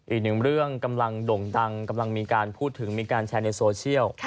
อีกหนึ่งเรื่องกำลังด่งดังกำลังมีการพูดถึงมีการแชร์ในโซเชียล